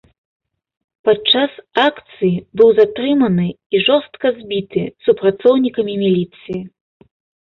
Падчас акцыі быў затрыманы і жорстка збіты супрацоўнікамі міліцыі.